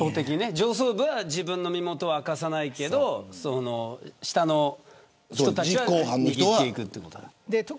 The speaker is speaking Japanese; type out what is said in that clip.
上層部は自分の身元は明かさないけど下の人たちは握っていく。